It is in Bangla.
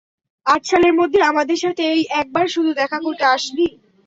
আট সালের মধ্যে আমাদের সাথে এই একবার শুধু দেখা করতে আসলি।